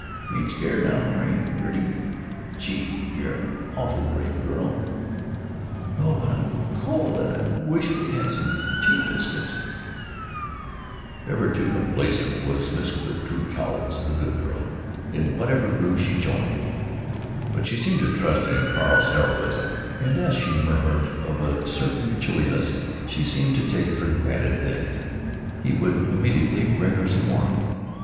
"You ain't scared now. Are you, Gertie? Gee! you're a' awful brave girl!" "No, but I'm cold and I wisht we had some tea biscuits——" Ever too complacent was Miss Gertrude Cowles, the Good Girl in whatever group she joined; but she seemed to trust in Carl's heroism, and as she murmured of a certain chilliness she seemed to take it for granted that he would immediately bring her some warmth.